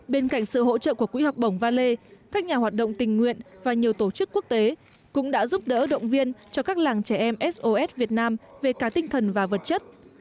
bên cạnh sự hỗ trợ của quỹ học bổng valet các nhà hoạt động tình nguyện và nhiều tổ chức quốc tế cũng đã giúp đỡ động viên cho các làng trẻ em sos việt nam về cả tinh thần và vật chất